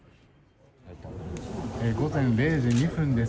午前０時２分です。